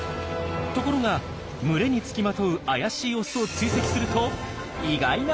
ところが群れにつきまとう怪しいオスを追跡すると意外な事実が判明。